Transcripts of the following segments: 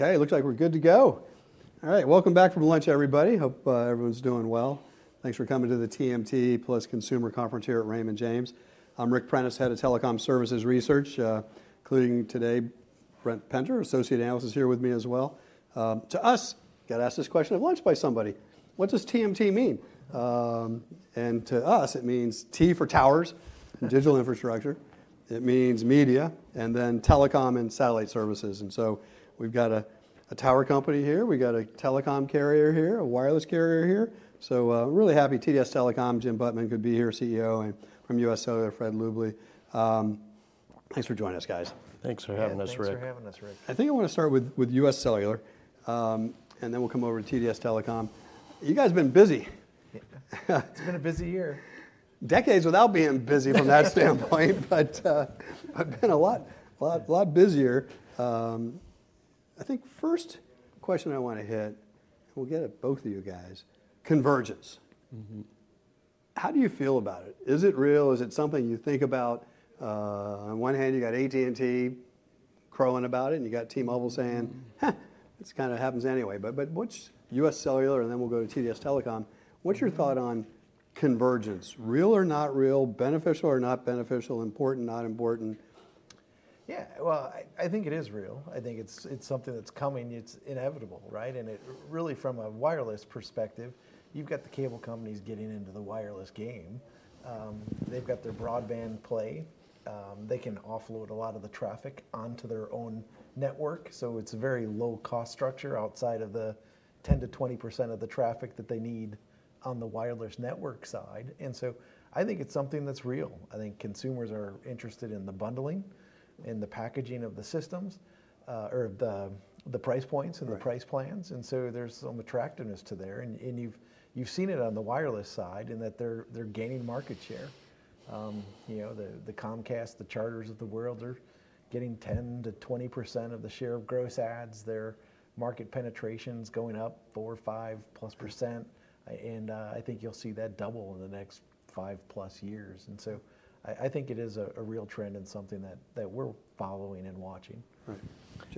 Okay, looks like we're good to go. All right, welcome back from lunch, everybody. Hope everyone's doing well. Thanks for coming to the TMT Plus Consumer Conference here at Raymond James. I'm Ric Prentiss, Head of Telecom Services Research. Including today, Brent Penter, Associate Analyst, is here with me as well. To us, got asked this question at lunch by somebody: What does TMT mean? And to us, it means T for Towers and Digital Infrastructure. It means Media, and then Telecom and Satellite Services. And so we've got a tower company here, we've got a telecom carrier here, a wireless carrier here. So really happy TDS Telecom, Jim Butman could be here, CEO, and from USCellular, Laurent Therivel. Thanks for joining us, guys. Thanks for having us, Ric. Thanks for having us, Ric. I think I want to start with USCellular, and then we'll come over to TDS Telecom. You guys have been busy. It's been a busy year. Decades without being busy from that standpoint, but been a lot busier. I think first question I want to hit, and we'll get at both of you guys, convergence. How do you feel about it? Is it real? Is it something you think about? On one hand, you got AT&T crowing about it, and you got T-Mobile saying, "Heh, this kind of happens anyway." But USCellular, and then we'll go to TDS Telecom. What's your thought on convergence? Real or not real? Beneficial or not beneficial? Important, not important? Yeah, well, I think it is real. I think it's something that's coming. It's inevitable, right? And really, from a wireless perspective, you've got the cable companies getting into the wireless game. They've got their broadband play. They can offload a lot of the traffic onto their own network. So it's a very low-cost structure outside of the 10%-20% of the traffic that they need on the wireless network side. And so I think it's something that's real. I think consumers are interested in the bundling and the packaging of the systems, or the price points and the price plans. And so there's some attractiveness to there. And you've seen it on the wireless side in that they're gaining market share. The Comcast, the Charters of the world, are getting 10%-20% of the share of gross adds. Their market penetration's going up four, five plus %. And I think you'll see that double in the next five plus years. And so I think it is a real trend and something that we're following and watching. Right.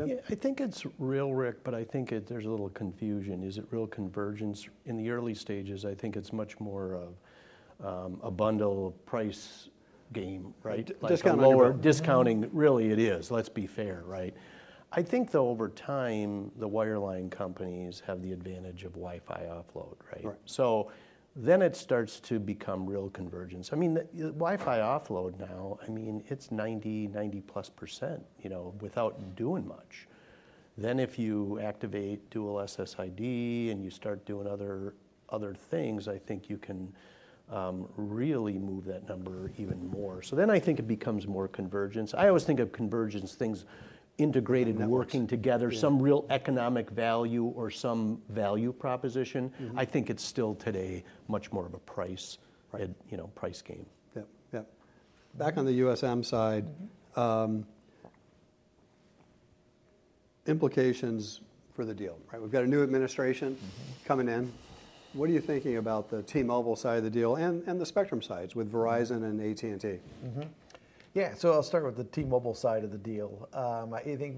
Yeah, I think it's real, Rick, but I think there's a little confusion. Is it real convergence? In the early stages, I think it's much more of a bundle price game, right? Just kind of lower. Discounting, really it is. Let's be fair, right? I think though, over time, the wireline companies have the advantage of Wi-Fi offload, right? So then it starts to become real convergence. I mean, Wi-Fi offload now. I mean, it's 90, 90 plus % without doing much. Then if you activate dual SSID and you start doing other things, I think you can really move that number even more. So then I think it becomes more convergence. I always think of convergence, things integrated, working together, some real economic value or some value proposition. I think it's still today much more of a price game. Yep, yep. Back on the USM side, implications for the deal, right? We've got a new administration coming in. What are you thinking about the T-Mobile side of the deal and the spectrum sides with Verizon and AT&T? Yeah, so I'll start with the T-Mobile side of the deal. I think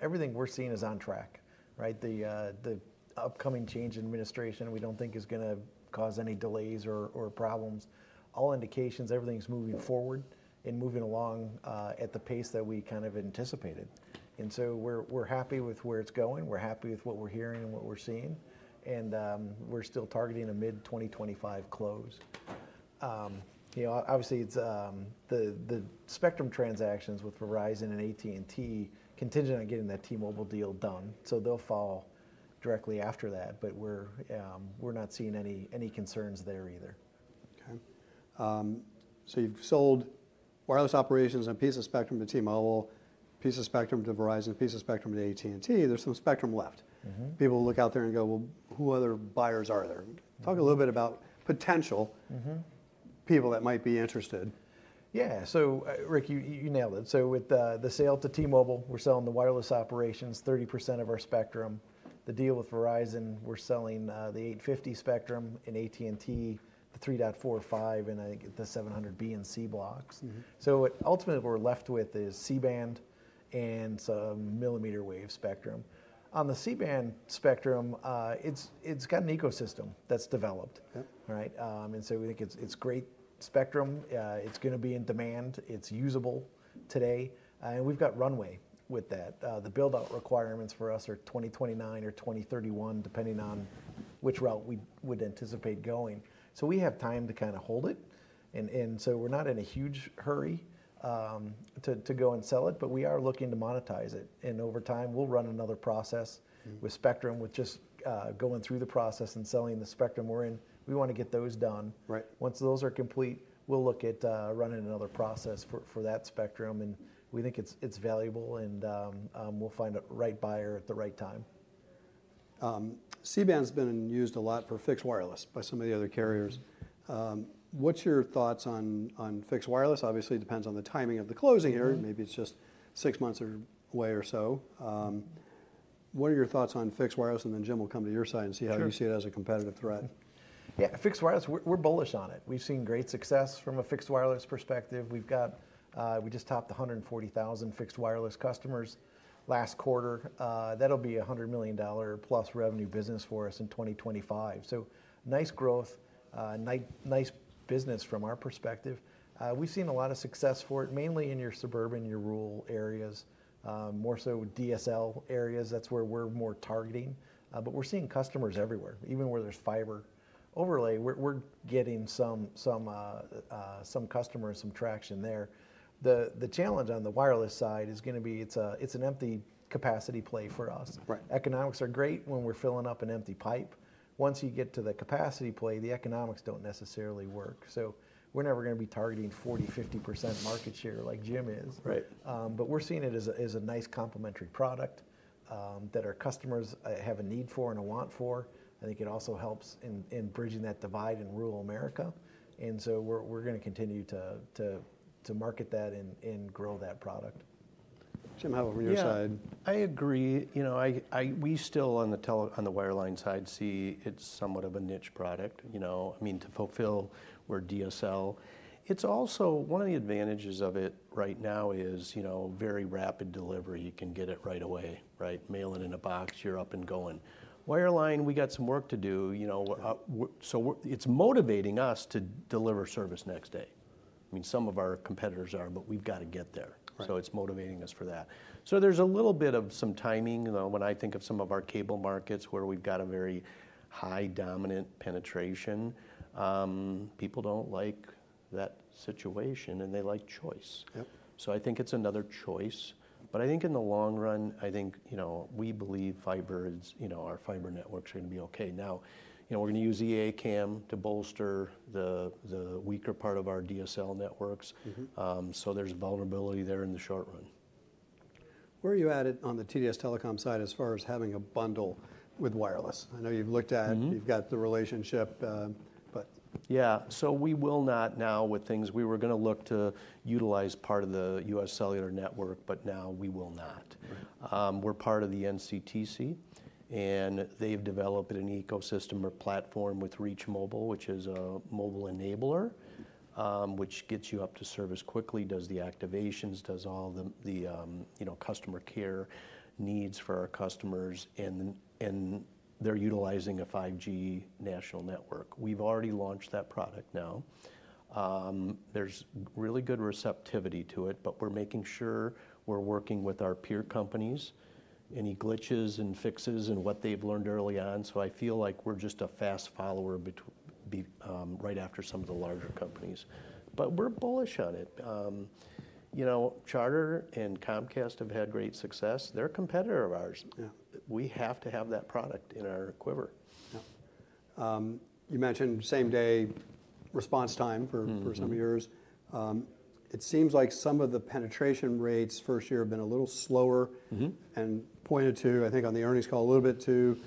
everything we're seeing is on track, right? The upcoming change in administration, we don't think is going to cause any delays or problems. All indications, everything's moving forward and moving along at the pace that we kind of anticipated. And so we're happy with where it's going. We're happy with what we're hearing and what we're seeing. And we're still targeting a mid-2025 close. Obviously, the spectrum transactions with Verizon and AT&T continue on getting that T-Mobile deal done. So they'll fall directly after that, but we're not seeing any concerns there either. Okay. So you've sold wireless operations on PCS spectrum to T-Mobile, PCS spectrum to Verizon, PCS spectrum to AT&T. There's some spectrum left. People look out there and go, "Well, who other buyers are there?" Talk a little bit about potential people that might be interested. Yeah, so Rick, you nailed it, so with the sale to T-Mobile, we're selling the wireless operations, 30% of our spectrum. The deal with Verizon, we're selling the 850 spectrum and AT&T, the 3.45 and I think the 700B and C blocks, so ultimately what we're left with is C-band and some millimeter wave spectrum. On the C-band spectrum, it's got an ecosystem that's developed, right, and so we think it's great spectrum. It's going to be in demand. It's usable today, and we've got runway with that. The buildout requirements for us are 2029 or 2031, depending on which route we would anticipate going, so we have time to kind of hold it, and so we're not in a huge hurry to go and sell it, but we are looking to monetize it. Over time, we'll run another process with spectrum, with just going through the process and selling the spectrum we're in. We want to get those done. Once those are complete, we'll look at running another process for that spectrum. We think it's valuable and we'll find the right buyer at the right time. C-Band's been used a lot for fixed wireless by some of the other carriers. What's your thoughts on fixed wireless? Obviously, it depends on the timing of the closing here. Maybe it's just six months away or so. What are your thoughts on fixed wireless? And then Jim will come to your side and see how you see it as a competitive threat. Yeah, fixed wireless, we're bullish on it. We've seen great success from a fixed wireless perspective. We just topped 140,000 fixed wireless customers last quarter. That'll be a $100 million plus revenue business for us in 2025. So nice growth, nice business from our perspective. We've seen a lot of success for it, mainly in your suburban, your rural areas, more so DSL areas. That's where we're more targeting. But we're seeing customers everywhere, even where there's fiber overlay. We're getting some customers, some traction there. The challenge on the wireless side is going to be it's an empty capacity play for us. Economics are great when we're filling up an empty pipe. Once you get to the capacity play, the economics don't necessarily work. So we're never going to be targeting 40%-50% market share like Jim is. But we're seeing it as a nice complementary product that our customers have a need for and a want for. I think it also helps in bridging that divide in rural America. And so we're going to continue to market that and grow that product. Jim, how about from your side? Yeah, I agree. You know, we still, on the wireline side, see it's somewhat of a niche product. You know, I mean, to fulfill where DSL, it's also one of the advantages of it right now is very rapid delivery. You can get it right away, right? Mail it in a box, you're up and going. Wireline, we got some work to do. You know, so it's motivating us to deliver service next day. I mean, some of our competitors are, but we've got to get there. So it's motivating us for that. So there's a little bit of some timing when I think of some of our cable markets where we've got a very high dominant penetration. People don't like that situation and they like choice. So I think it's another choice. But I think in the long run, I think we believe fiber, our fiber networks are going to be okay. Now, we're going to use E-ACAM to bolster the weaker part of our DSL networks. So there's vulnerability there in the short run. Where are you at on the TDS Telecom side as far as having a bundle with wireless? I know you've looked at it, you've got the relationship, but. We were going to look to utilize part of the UScellular network, but now we will not. We're part of the NCTC, and they've developed an ecosystem or platform with Reach Mobile, which is a mobile enabler, which gets you up to service quickly, does the activations, does all the customer care needs for our customers, and they're utilizing a 5G national network. We've already launched that product now. There's really good receptivity to it, but we're making sure we're working with our peer companies, any glitches and fixes and what they've learned early on, so I feel like we're just a fast follower right after some of the larger companies, but we're bullish on it. You know, Charter and Comcast have had great success. They're a competitor of ours. We have to have that product in our quiver. You mentioned same day response time for some of yours. It seems like some of the penetration rates first year have been a little slower and pointed to, I think on the earnings call a little bit to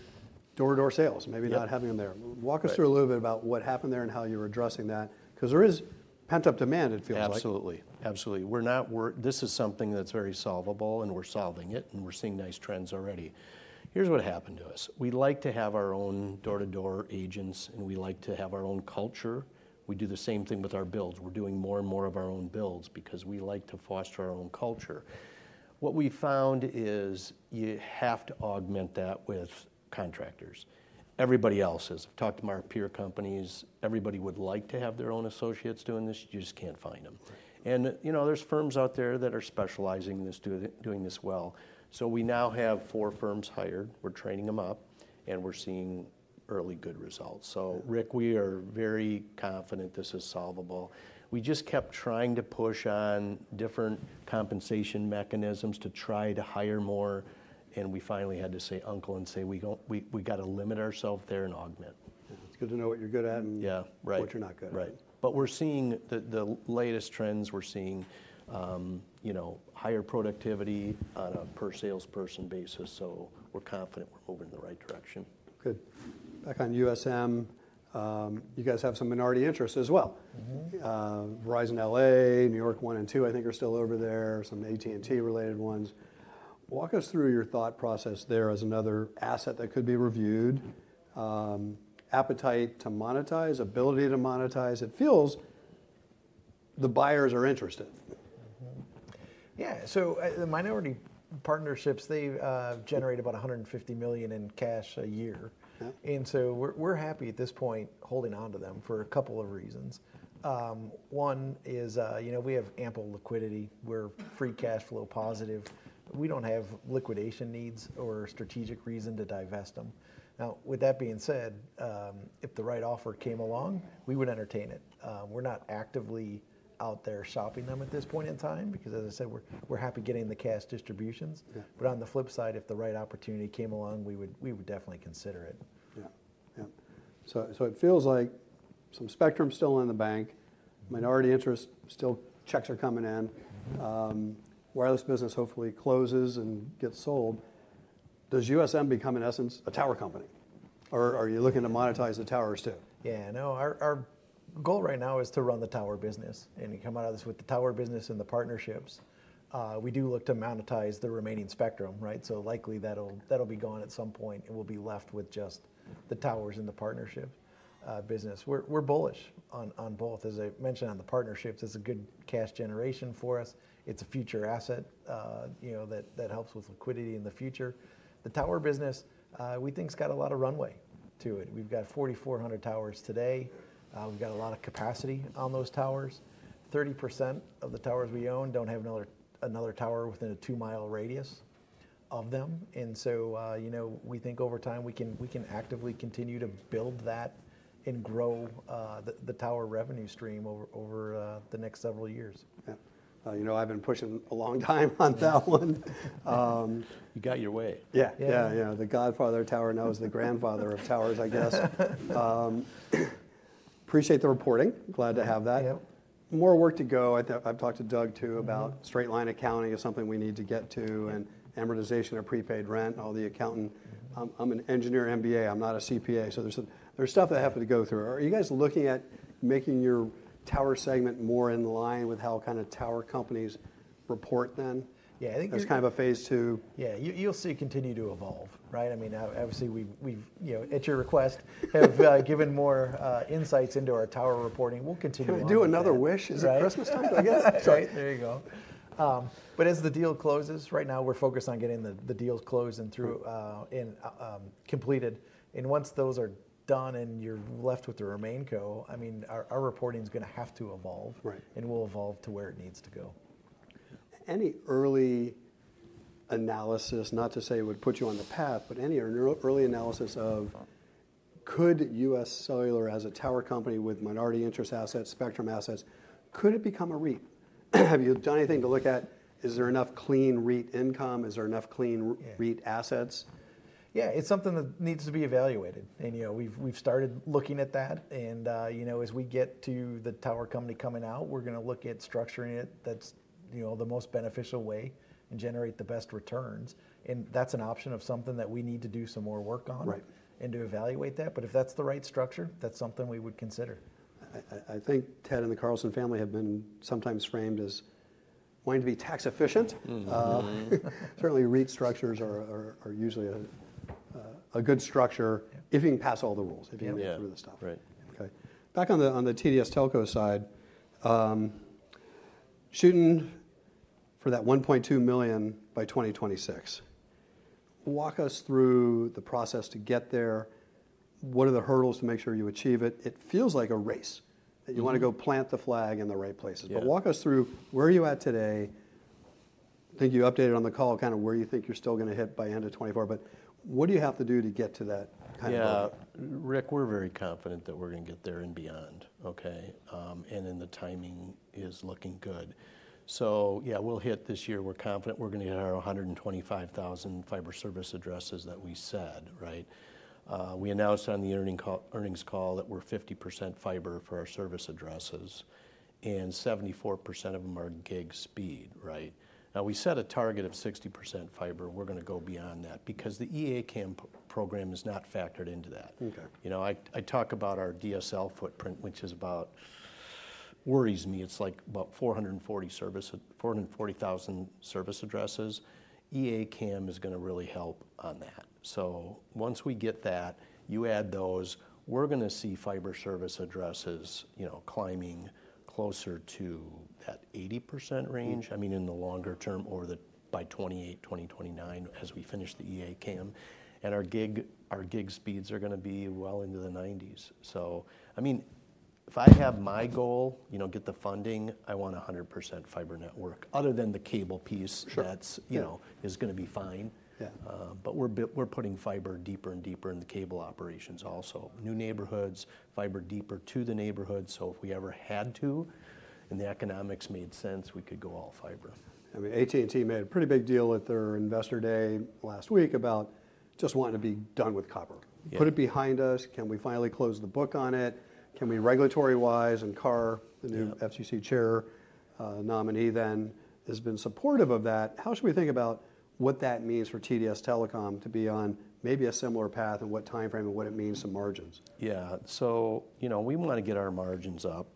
door-to-door sales, maybe not having them there. Walk us through a little bit about what happened there and how you're addressing that, because there is pent-up demand, it feels like. Absolutely. Absolutely. This is something that's very solvable and we're solving it and we're seeing nice trends already. Here's what happened to us. We like to have our own door-to-door agents and we like to have our own culture. We do the same thing with our builds. We're doing more and more of our own builds because we like to foster our own culture. What we found is you have to augment that with contractors. Everybody else is. I've talked to my peer companies. Everybody would like to have their own associates doing this. You just can't find them. And you know, there's firms out there that are specializing in this, doing this well. So we now have four firms hired. We're training them up and we're seeing early good results. So Rick, we are very confident this is solvable. We just kept trying to push on different compensation mechanisms to try to hire more, and we finally had to say uncle and say we got to limit ourselves there and augment. It's good to know what you're good at and what you're not good at. Right. But we're seeing the latest trends. We're seeing higher productivity on a per salesperson basis. So we're confident we're moving in the right direction. Good. Back on USM, you guys have some minority interests as well. Verizon LA, New York one and two I think are still over there, some AT&T related ones. Walk us through your thought process there as another asset that could be reviewed. Appetite to monetize, ability to monetize. It feels the buyers are interested. Yeah, so the minority partnerships, they generate about $150 million in cash a year, and so we're happy at this point holding on to them for a couple of reasons. One is we have ample liquidity. We're free cash flow positive. We don't have liquidation needs or a strategic reason to divest them. Now, with that being said, if the right offer came along, we would entertain it. We're not actively out there shopping them at this point in time because, as I said, we're happy getting the cash distributions, but on the flip side, if the right opportunity came along, we would definitely consider it. Yeah, yeah. So it feels like some Spectrum still in the bank, minority interest, still checks are coming in. Wireless business hopefully closes and gets sold. Does USM become in essence a tower company? Or are you looking to monetize the towers too? Yeah, no, our goal right now is to run the tower business. And you come out of this with the tower business and the partnerships. We do look to monetize the remaining spectrum, right? So likely that'll be gone at some point. It will be left with just the towers and the partnership business. We're bullish on both. As I mentioned, on the partnerships, it's a good cash generation for us. It's a future asset that helps with liquidity in the future. The tower business, we think it's got a lot of runway to it. We've got 4,400 towers today. We've got a lot of capacity on those towers. 30% of the towers we own don't have another tower within a two-mile radius of them. And so we think over time we can actively continue to build that and grow the tower revenue stream over the next several years. Yeah. You know, I've been pushing a long time on that one. You got your way. Yeah. Yeah, yeah. The godfather of tower knows the grandfather of towers, I guess. Appreciate the reporting. Glad to have that. More work to go. I've talked to Doug too about straight line accounting is something we need to get to and amortization of prepaid rent, all the accounting. I'm an engineer MBA. I'm not a CPA. So there's stuff that happened to go through. Are you guys looking at making your tower segment more in line with how kind of tower companies report then? There's kind of a phase two. Yeah, you'll see continue to evolve, right? I mean, obviously we've, at your request, have given more insights into our tower reporting. We'll continue on. Can we do another wish? Is it Christmas time? There you go, but as the deal closes, right now we're focused on getting the deals closed and completed, and once those are done and you're left with the remainder, I mean, our reporting is going to have to evolve and will evolve to where it needs to go. Any early analysis, not to say it would put you on the path, but any early analysis of could UScellular as a tower company with minority interest assets, Spectrum assets, could it become a REIT? Have you done anything to look at, is there enough clean REIT income? Is there enough clean REIT assets? Yeah, it's something that needs to be evaluated, and we've started looking at that, and as we get to the tower company coming out, we're going to look at structuring it that's the most beneficial way and generate the best returns, and that's an option of something that we need to do some more work on and to evaluate that, but if that's the right structure, that's something we would consider. I think Ted and the Carlson family have been sometimes framed as wanting to be tax efficient. Certainly REIT structures are usually a good structure if you can pass all the rules, if you can get through the stuff. Okay. Back on the TDS Telco side, shooting for that 1.2 million by 2026. Walk us through the process to get there. What are the hurdles to make sure you achieve it? It feels like a race that you want to go plant the flag in the right places. But walk us through where you're at today. I think you updated on the call kind of where you think you're still going to hit by end of 2024, but what do you have to do to get to that kind of level? Yeah, Rick, we're very confident that we're going to get there and beyond, okay? And then the timing is looking good. So yeah, we'll hit this year. We're confident we're going to hit our 125,000 fiber service addresses that we said, right? We announced on the earnings call that we're 50% fiber for our service addresses and 74% of them are gig speed, right? Now we set a target of 60% fiber. We're going to go beyond that because the E-ACAM program is not factored into that. You know, I talk about our DSL footprint, which worries me. It's like about 440,000 service addresses. E-ACAM is going to really help on that. So once we get that, you add those, we're going to see fiber service addresses climbing closer to that 80% range, I mean, in the longer term or by 2028, 2029 as we finish the E-ACAM. And our gig speeds are going to be well into the 90s%. So I mean, if I have my goal, you know, get the funding, I want 100% fiber network other than the cable piece that is going to be fine. But we're putting fiber deeper and deeper in the cable operations also. New neighborhoods, fiber deeper to the neighborhoods. So if we ever had to and the economics made sense, we could go all fiber. I mean, AT&T made a pretty big deal with their investor day last week about just wanting to be done with copper. Put it behind us. Can we finally close the book on it? Can we, regulatory-wise and Carr, the new FCC chair nominee then has been supportive of that. How should we think about what that means for TDS Telecom to be on maybe a similar path and what timeframe and what it means to margins? Yeah. So you know, we want to get our margins up.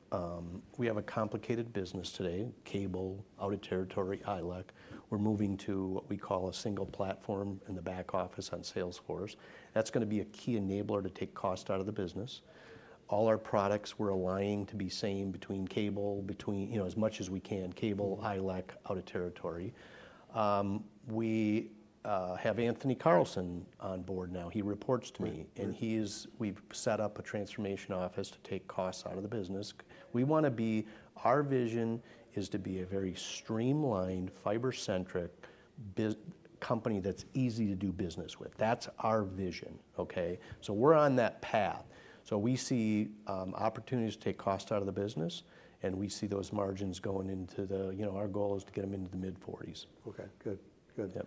We have a complicated business today, cable, out of territory, ILEC. We're moving to what we call a single platform in the back office on Salesforce. That's going to be a key enabler to take cost out of the business. All our products we're aligning to be same between cable, you know, as much as we can, cable, ILEC, out of territory. We have Anthony Carlson on board now. He reports to me and we've set up a transformation office to take costs out of the business. We want to be, our vision is to be a very streamlined, fiber-centric company that's easy to do business with. That's our vision, okay? So we're on that path. We see opportunities to take costs out of the business and we see those margins going into the, you know, our goal is to get them into the mid-40s. Okay. Good. Good.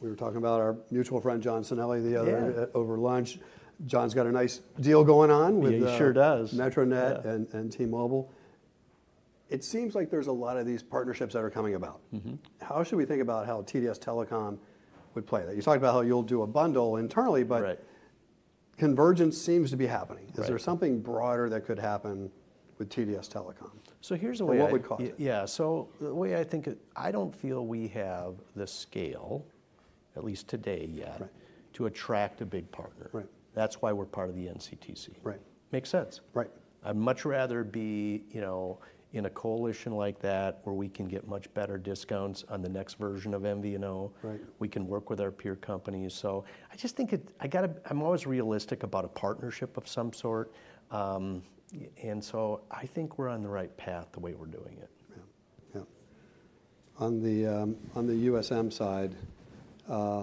We were talking about our mutual friend, John Cinelli, the other over lunch. John's got a nice deal going on with Metronet and T-Mobile. It seems like there's a lot of these partnerships that are coming about. How should we think about how TDS Telecom would play? You talked about how you'll do a bundle internally, but convergence seems to be happening. Is there something broader that could happen with TDS Telecom? So here's a way. What would cause it? Yeah. So the way I think, I don't feel we have the scale, at least today yet, to attract a big partner. That's why we're part of the NCTC. Makes sense. I'd much rather be, you know, in a coalition like that where we can get much better discounts on the next version of MVNO. We can work with our peer companies. So I just think I'm always realistic about a partnership of some sort. And so I think we're on the right path the way we're doing it. Yeah. On the USM side, what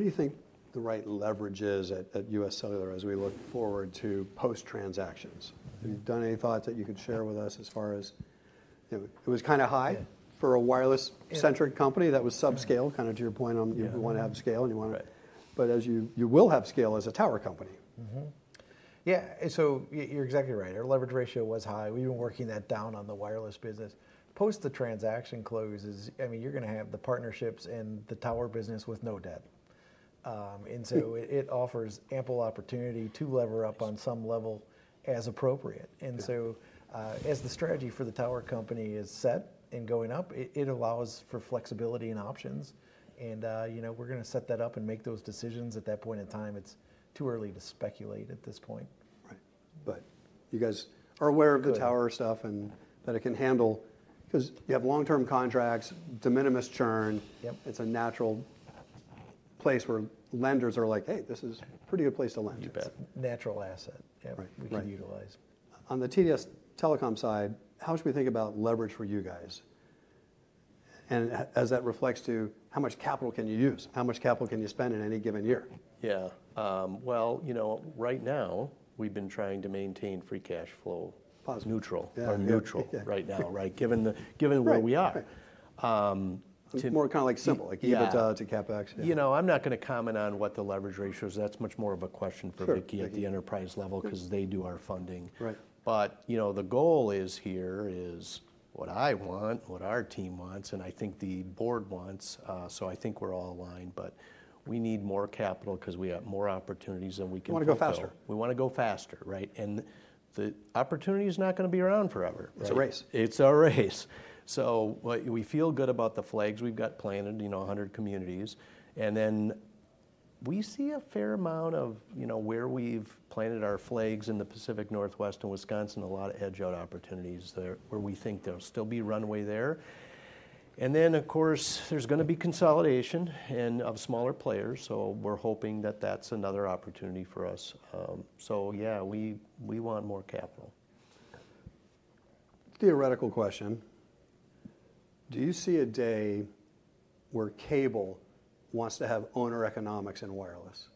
do you think the right leverage is at UScellular as we look forward to post-transactions? Have you done any thoughts that you could share with us as far as, you know, it was kind of high for a wireless-centric company that was subscale, kind of to your point on you want to have scale and you want to, but as you will have scale as a tower company. Yeah. So you're exactly right. Our leverage ratio was high. We've been working that down on the wireless business. Post the transaction closes, I mean, you're going to have the partnerships and the tower business with no debt. And so it offers ample opportunity to lever up on some level as appropriate. And so as the strategy for the tower company is set and going up, it allows for flexibility and options. And you know, we're going to set that up and make those decisions at that point in time. It's too early to speculate at this point. Right. But you guys are aware of the tower stuff and that it can handle because you have long-term contracts, de minimis churn. It's a natural place where lenders are like, hey, this is a pretty good place to lend. It's a natural asset we can utilize. On the TDS Telecom side, how should we think about leverage for you guys? And as that reflects to how much capital can you use? How much capital can you spend in any given year? Yeah. Well, you know, right now we've been trying to maintain free cash flow neutral right now, right? Given where we are. More kind of like simple. EBITDA to CapEx. You know, I'm not going to comment on what the leverage ratio is. That's much more of a question for Vicki at the enterprise level because they do our funding. But you know, the goal here is what I want, what our team wants, and I think the board wants. So I think we're all aligned, but we need more capital because we have more opportunities than we can handle. We want to go faster. We want to go faster, right? The opportunity is not going to be around forever. It's a race. It's a race. So we feel good about the flags we've got planted, you know, 100 communities. And then we see a fair amount of, you know, where we've planted our flags in the Pacific Northwest and Wisconsin, a lot of edge-out opportunities there where we think there'll still be runway there. And then, of course, there's going to be consolidation and of smaller players. So we're hoping that that's another opportunity for us. So yeah, we want more capital. Theoretical question. Do you see a day where cable wants to have owner economics in wireless?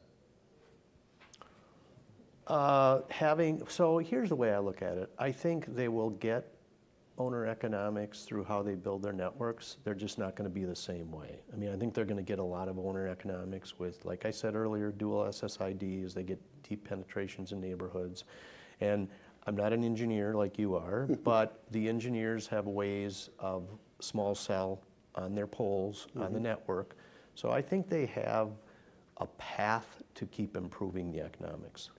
So here's the way I look at it. I think they will get owner economics through how they build their networks. They're just not going to be the same way. I mean, I think they're going to get a lot of owner economics with, like I said earlier, dual SSIDs. They get deep penetrations in neighborhoods. And I'm not an engineer like you are, but the engineers have ways of small cell on their poles on the network. So I think they have a path to keep improving the economics.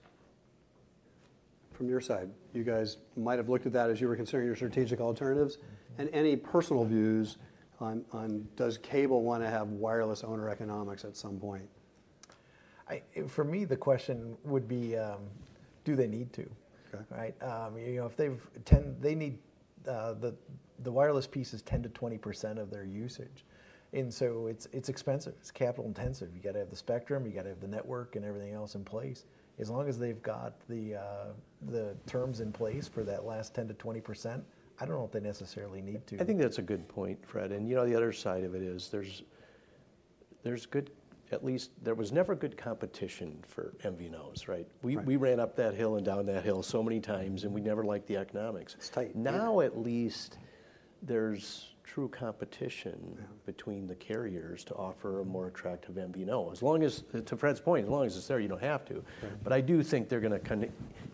From your side, you guys might have looked at that as you were considering your strategic alternatives and any personal views on does cable want to have wireless owner economics at some point? For me, the question would be, do they need to? Right? You know, if they need the wireless piece is 10%-20% of their usage, and so it's expensive. It's capital intensive. You got to have the spectrum. You got to have the network and everything else in place. As long as they've got the terms in place for that last 10%-20%, I don't know if they necessarily need to. I think that's a good point, Fred, and you know, the other side of it is, at least there was never good competition for MVNOs, right? We ran up that hill and down that hill so many times and we never liked the economics. Now at least there's true competition between the carriers to offer a more attractive MVNO. As long as, to Fred's point, as long as it's there, you don't have to, but I do think they're going to, you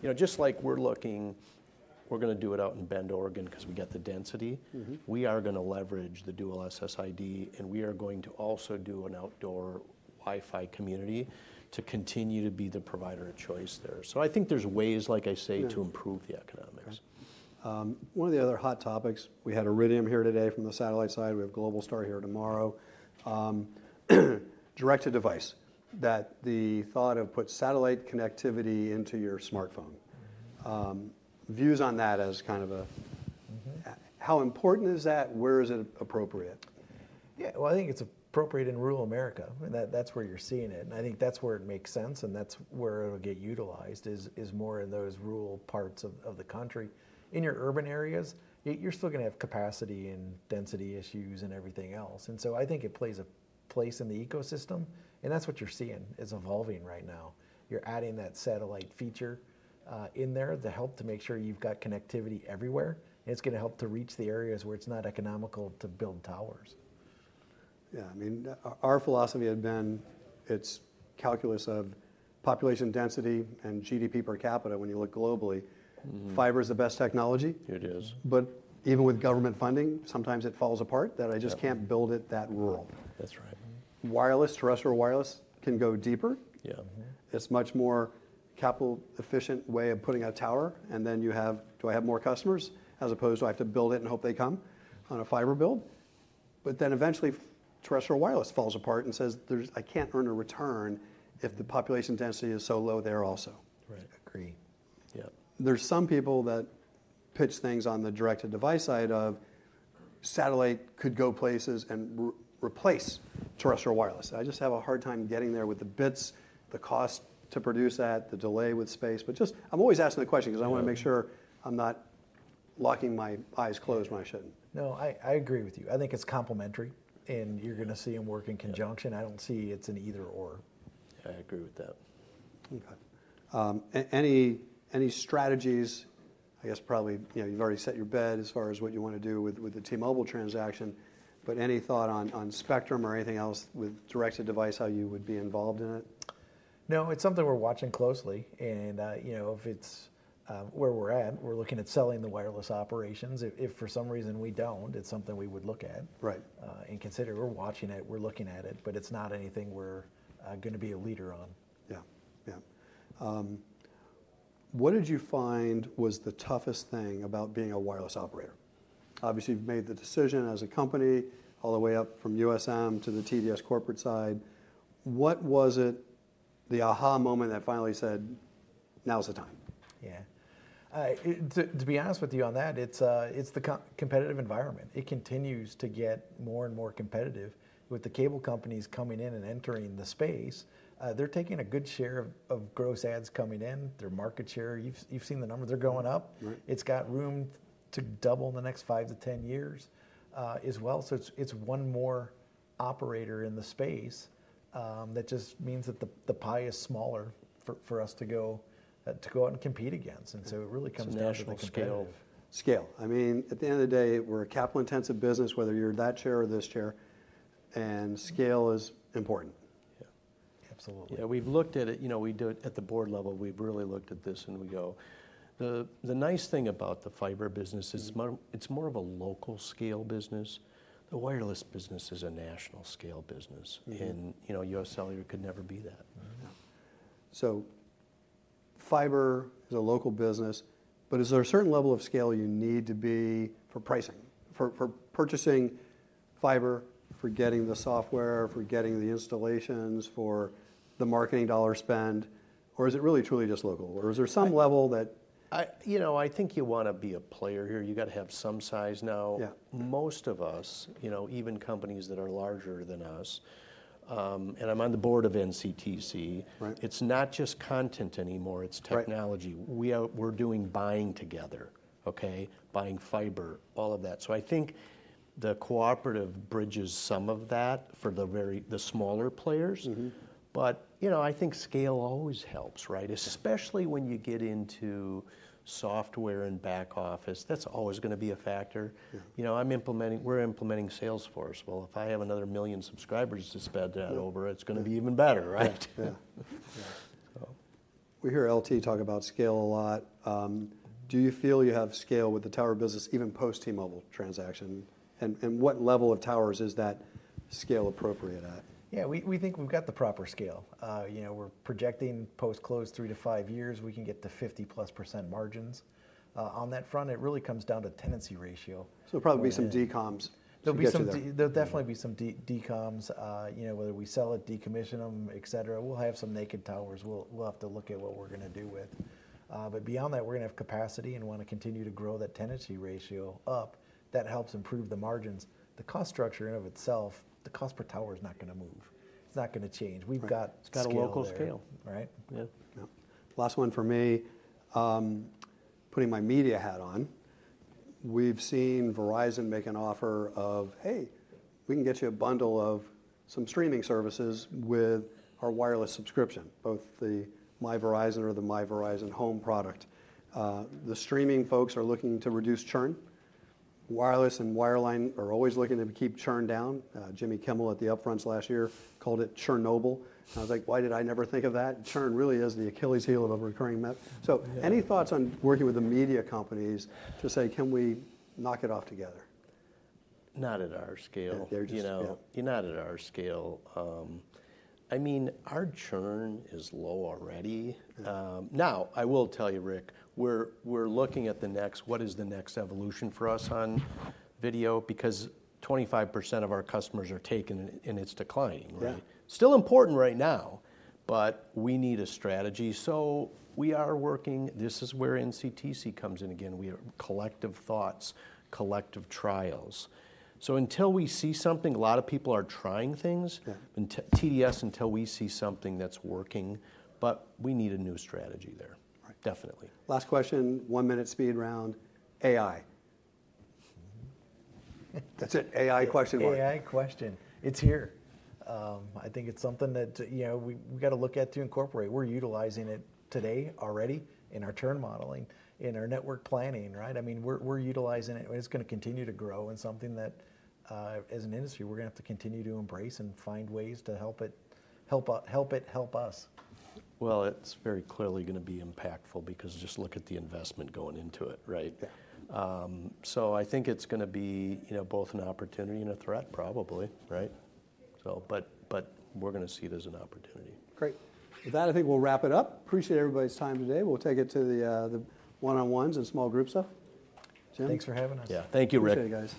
know, just like we're looking, we're going to do it out in Bend, Oregon because we got the density. We are going to leverage the dual SSID and we are going to also do an outdoor Wi-Fi community to continue to be the provider of choice there. So I think there's ways, like I say, to improve the economics. One of the other hot topics, we had Iridium here today from the satellite side. We have Globalstar here tomorrow. Direct-to-device, that's the thought of putting satellite connectivity into your smartphone. Views on that as kind of a, how important is that? Where is it appropriate? Yeah. Well, I think it's appropriate in rural America. That's where you're seeing it. And I think that's where it makes sense and that's where it'll get utilized is more in those rural parts of the country. In your urban areas, you're still going to have capacity and density issues and everything else. And so I think it plays a place in the ecosystem. And that's what you're seeing is evolving right now. You're adding that satellite feature in there to help to make sure you've got connectivity everywhere. And it's going to help to reach the areas where it's not economical to build towers. Yeah. I mean, our philosophy had been it's calculus of population density and GDP per capita when you look globally. Fiber is the best technology. It is. But even with government funding, sometimes it falls apart that I just can't build it that rural. That's right. Wireless, terrestrial wireless can go deeper. It's much more capital efficient way of putting a tower, and then you have, do I have more customers as opposed to I have to build it and hope they come on a fiber build, but then eventually terrestrial wireless falls apart and says, I can't earn a return if the population density is so low there also. Agree. Yeah. There's some people that pitch things on the direct-to-device side of satellite could go places and replace terrestrial wireless. I just have a hard time getting there with the bits, the cost to produce that, the delay with space, but just I'm always asking the question because I want to make sure I'm not locking my eyes closed when I shouldn't. No, I agree with you. I think it's complementary and you're going to see them work in conjunction. I don't see it's an either/or. I agree with that. Okay. Any strategies, I guess probably, you know, you've already made your bed as far as what you want to do with the T-Mobile transaction. But any thought on spectrum or anything else with direct-to-device, how you would be involved in it? No, it's something we're watching closely, and you know, if it's where we're at, we're looking at selling the wireless operations. If for some reason we don't, it's something we would look at and consider. We're watching it, we're looking at it, but it's not anything we're going to be a leader on. Yeah. Yeah. What did you find was the toughest thing about being a wireless operator? Obviously, you've made the decision as a company all the way up from UScellular to the TDS corporate side. What was it, the aha moment that finally said, now's the time? Yeah. To be honest with you on that, it's the competitive environment. It continues to get more and more competitive with the cable companies coming in and entering the space. They're taking a good share of gross adds coming in. Their market share, you've seen the numbers, they're going up. It's got room to double in the next five to 10 years as well, so it's one more operator in the space that just means that the pie is smaller for us to go out and compete against, and so it really comes down to the scale. Scale. I mean, at the end of the day, we're a capital-intensive business, whether you're that chair or this chair, and scale is important. Yeah. Absolutely. Yeah. We've looked at it, you know, we do it at the board level. We've really looked at this and we go, the nice thing about the fiber business, it's more of a local scale business. The wireless business is a national scale business. And you know, UScellular could never be that. Fiber is a local business, but is there a certain level of scale you need to be for pricing, for purchasing fiber, for getting the software, for getting the installations, for the marketing dollar spend, or is it really truly just local? Or is there some level that. You know, I think you want to be a player here. You got to have some size now. Most of us, you know, even companies that are larger than us, and I'm on the board of NCTC. It's not just content anymore. It's technology. We're doing buying together, okay? Buying fiber, all of that. So I think the cooperative bridges some of that for the smaller players. But you know, I think scale always helps, right? Especially when you get into software and back office, that's always going to be a factor. You know, I'm implementing, we're implementing Salesforce. Well, if I have another million subscribers to spend that over, it's going to be even better, right? Yeah. We hear LT talk about scale a lot. Do you feel you have scale with the tower business even post-T-Mobile transaction? And what level of towers is that scale appropriate at? Yeah. We think we've got the proper scale. You know, we're projecting post-close, three to five years, we can get to 50-plus% margins. On that front, it really comes down to tenancy ratio. There'll probably be some decoms. There'll definitely be some decoms, you know, whether we sell it, decommission them, et cetera. We'll have some naked towers. We'll have to look at what we're going to do with. But beyond that, we're going to have capacity and want to continue to grow that tenancy ratio up. That helps improve the margins. The cost structure in and of itself, the cost per tower is not going to move. It's not going to change. We've got. It's got a local scale. Right? Yeah. Last one for me, putting my media hat on. We've seen Verizon make an offer of, hey, we can get you a bundle of some streaming services with our wireless subscription, both the My Verizon or the My Verizon Home product. The streaming folks are looking to reduce churn. Wireless and wireline are always looking to keep churn down. Jimmy Kimmel at the upfronts last year called it Churnoble. I was like, why did I never think of that? Churn really is the Achilles heel of a recurring method. So any thoughts on working with the media companies to say, can we knock it off together? Not at our scale. You know, not at our scale. I mean, our churn is low already. Now, I will tell you, Rick, we're looking at the next, what is the next evolution for us on video? Because 25% of our customers are taken and it's declining, right? Still important right now, but we need a strategy. So we are working, this is where NCTC comes in again. We have collective thoughts, collective trials. So until we see something, a lot of people are trying things. TDS, until we see something that's working, but we need a new strategy there. Definitely. Last question, one minute speed round. AI. That's it. AI question one. AI question. It's here. I think it's something that, you know, we've got to look at to incorporate. We're utilizing it today already in our churn modeling, in our network planning, right? I mean, we're utilizing it. It's going to continue to grow and something that, as an industry, we're going to have to continue to embrace and find ways to help it help us. It's very clearly going to be impactful because just look at the investment going into it, right? I think it's going to be, you know, both an opportunity and a threat probably, right? We're going to see it as an opportunity. Great. With that, I think we'll wrap it up. Appreciate everybody's time today. We'll take it to the one-on-ones and small group stuff. Jim? Thanks for having us. Yeah. Thank you, Rick. Appreciate you guys.